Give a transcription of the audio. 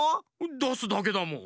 だすだけだもん。